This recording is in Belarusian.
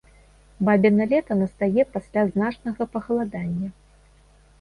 Бабіна лета настае пасля значнага пахаладання.